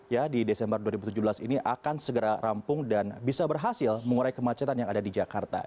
ya di desember dua ribu tujuh belas ini akan segera rampung dan bisa berhasil mengurai kemacetan yang ada di jakarta